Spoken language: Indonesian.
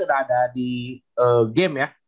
sudah ada di game ya